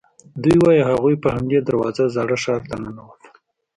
دوی وایي هغوی په همدې دروازو زاړه ښار ته ننوتل.